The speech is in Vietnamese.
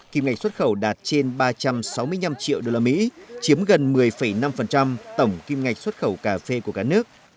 kim ngạch xuất khẩu đạt trên ba trăm sáu mươi năm triệu usd chiếm gần một mươi năm tổng kim ngạch xuất khẩu cà phê của cả nước